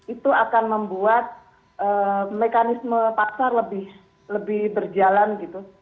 itu akan membuat mekanisme pasar lebih berjalan gitu